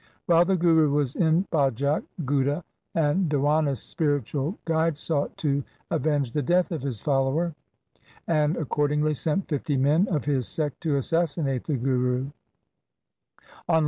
While the Guru was in Bajak, Ghudda, the Diwanas' spiritual guide, sought to avenge the death of his follower, and accordingly sent fifty men of his sect to assassinate the Guru.